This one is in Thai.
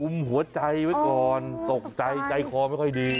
หัวใจไว้ก่อนตกใจใจคอไม่ค่อยดี